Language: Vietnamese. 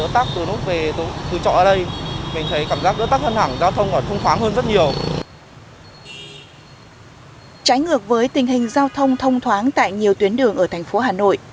trái ngược với tình hình giao thông thông thoáng tại nhiều tuyến đường ở thành phố hà nội